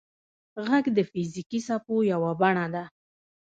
• ږغ د فزیکي څپو یوه بڼه ده.